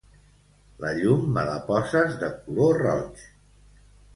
La llum me la poses de color roig.